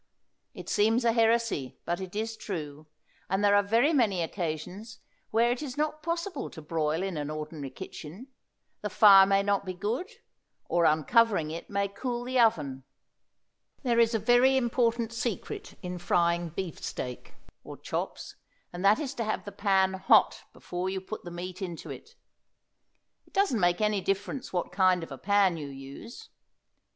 It seems a heresy, but it is true, and there are very many occasions where it is not possible to broil in an ordinary kitchen; the fire may not be good, or uncovering it may cool the oven. There is a very important secret in frying beefsteak, or chops, and that is to have the pan hot before you put the meat into it. It doesn't make any difference what kind of a pan you use.